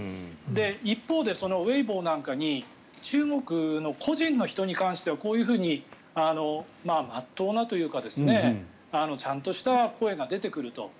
一方で、ウェイボーなんかに中国の個人の人に関してはこういうふうに真っ当なというかちゃんとした声が出てくると。